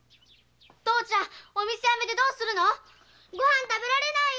父ちゃんお店辞めてどうするの⁉ご飯食べられないよ！